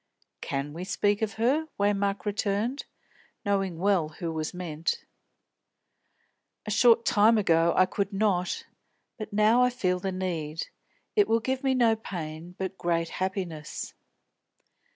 "Can we speak of her?" Waymark returned, knowing well who was meant. "A short time ago I could not; now I feel the need. It will give me no pain, but great happiness."